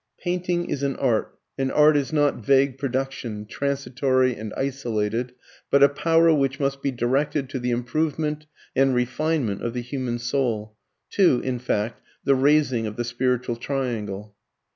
Painting is an art, and art is not vague production, transitory and isolated, but a power which must be directed to the improvement and refinement of the human soul to, in fact, the raising of the spiritual triangle.